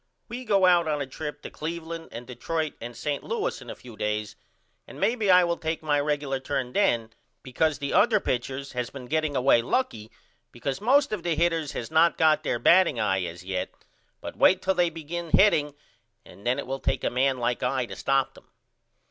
We go out on a trip to Cleveland and Detroit and St. Louis in a few days and maybe I will take my regular turn then because the other pitchers has been getting away lucky because most of the hitters has no got their batting eye as yet but wait till they begin hitting and then it wil take a man like I to stop them.